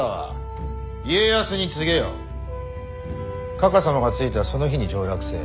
かか様が着いたその日に上洛せえ。